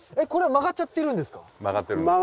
曲がってるんです。